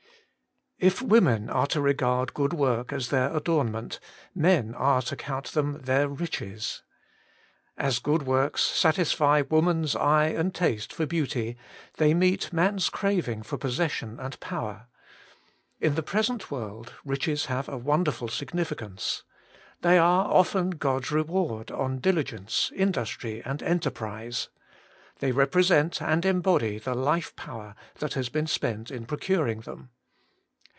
IF women are to regard good work as their adornment, men are to count them their riches. As good works satisfy woman's eye and taste for beauty, they meet man's craving for possession and power. In the present world riches have a wonder ful significance. They are often God's re ward on diligence, industry, and enterprise. They represent and embody the life power that has been spent in procuring them.